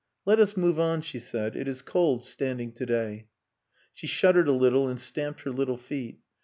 "Let us move on," she said. "It is cold standing to day." She shuddered a little and stamped her little feet.